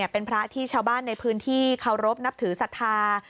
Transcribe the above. เป็นพระที่ชาวบ้านในพื้นที่เคารพนับถือศรัทธา